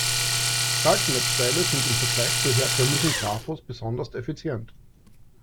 Schaltnetzteile sind im Vergleich zu herkömmlichen Trafos besonders effizient.